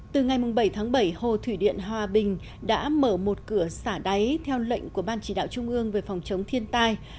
từ ngày bảy tháng bảy hồ thủy điện hòa bình đã mở một cửa xả đáy theo lệnh của ban chỉ đạo trung ương về phòng chống thiên tai